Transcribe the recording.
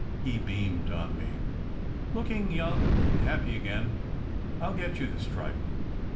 he beamed on me, looking young and happy again. " I ll get you the stripe.